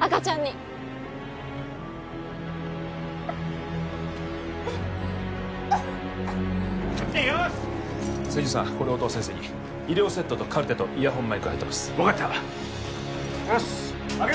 赤ちゃんに千住さんこれを音羽先生に医療セットとカルテとイヤホンマイクが入ってる分かったよし開けるぞ！